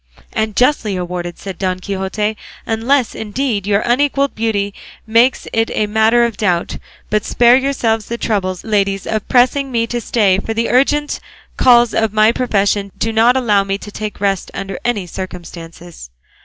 "And justly awarded," said Don Quixote, "unless, indeed, your unequalled beauty makes it a matter of doubt. But spare yourselves the trouble, ladies, of pressing me to stay, for the urgent calls of my profession do not allow me to take rest under any circumstances."